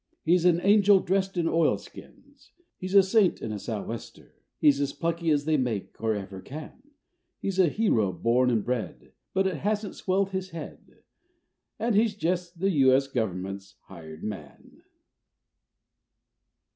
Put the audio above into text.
He's an angel dressed in oilskins, he's a saint in a "sou'wester", He's as plucky as they make, or ever can; He's a hero born and bred, but it hasn't swelled his head, And he's jest the U.S. Gov'ment's hired man.